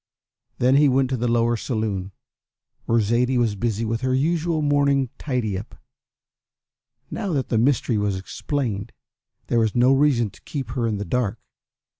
Then he went to the lower saloon, where Zaidie was busy with her usual morning tidy up. Now that the mystery was explained there was no reason to keep her in the dark.